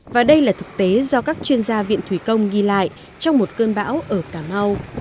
và đây là thực tế do các chuyên gia viện thủy công ghi lại trong một cơn bão ở cà mau